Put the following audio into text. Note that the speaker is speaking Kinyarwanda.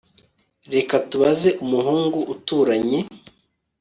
Reka tubaze umuhungu uturanye